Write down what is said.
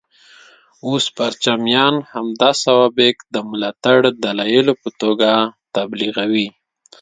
اوس پرچمیان همدا سوابق د ملاتړ دلایلو په توګه تبلیغوي.